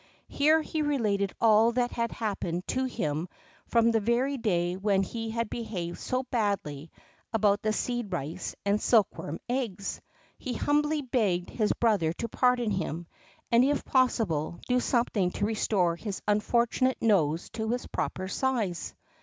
Here he related all that had happened to him from the very day when he had behaved so badly about the seed rice and silkworms' eggs. He humbly begged his brother to pardon him, and, if possible, do something to restore his unfortunate nose to its proper size.